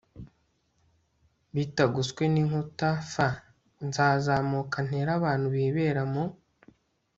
bitagoswe n inkuta f nzazamuka ntere abantu bibera mu